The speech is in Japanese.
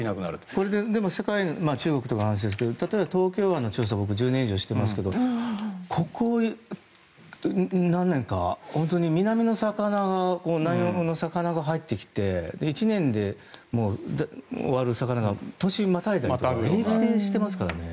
これは中国の話ですが例えば東京湾の調査を僕は１０年以上していますがここ何年かは南の魚が南洋の魚が入ってきて１年で終わる魚が年をまたいで取れたりとか平気でしていますからね。